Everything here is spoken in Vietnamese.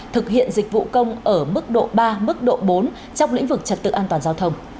thực hiện dịch vụ công ở mức độ ba mức độ bốn trong lĩnh vực trật tự an toàn giao thông